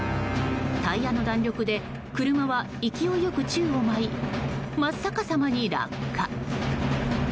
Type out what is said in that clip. タイヤの弾力で車は勢いよく宙を舞い真っ逆さまに落下。